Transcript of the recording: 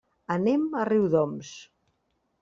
Anem a Riudoms.